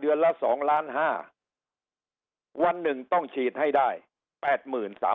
เดือนละสองล้านห้าวันหนึ่งต้องฉีดให้ได้แปดหมื่นสาม